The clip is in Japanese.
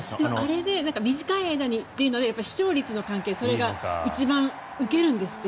あれ、短い間にというのは視聴率の関係でそれが一番受けるんですって